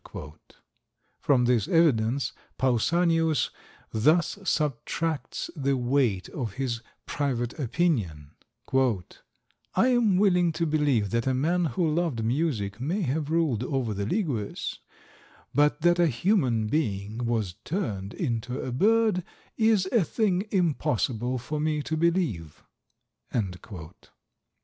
From this evidence Pausanius thus subtracts the weight of his private opinion: "I am willing to believe that a man who loved music may have ruled over the Ligyes, but that a human being was turned into a bird is a thing impossible for me to believe."